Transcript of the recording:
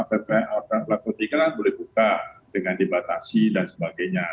karena peraturan peraturan itu lah boleh buka dengan dibatasi dan sebagainya